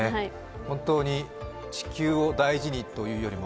本当に地球を大事にというよりも